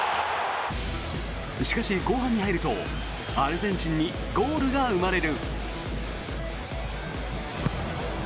しかし、後半に入るとアルゼンチンにゴールが生まれる。